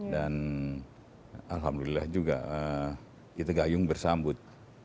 dan alhamdulillah juga kita gayung bersambut